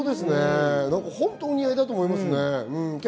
本当、お似合いだと思います。